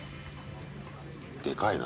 でかいな。